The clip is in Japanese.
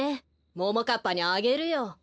ももかっぱにあげるよ。